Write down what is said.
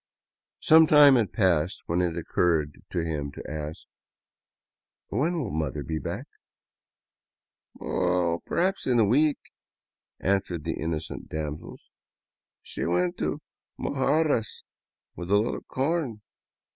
Some time had passed when it occurred to him to ask :" When will mother be back ?"" Oh, perhaps in a week," answered the innocent damsels, " She went to Mojarras with a load of corn."